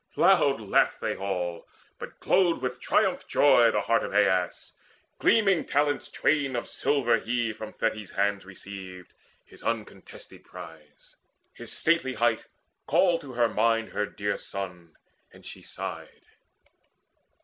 Loud laughed they all: but glowed with triumph joy The heart of Aias. Gleaming talents twain Of silver he from Thetis' hands received, His uncontested prize. His stately height Called to her mind her dear son, and she sighed.